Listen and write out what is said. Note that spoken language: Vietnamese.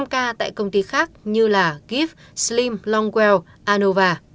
năm ca tại công ty khác như gif slim longwell anova